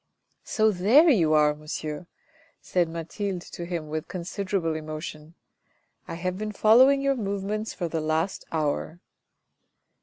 " So there you are, monsieur," said Mathilde to him with considerable emotion. " I have been following your move ments for the last hour."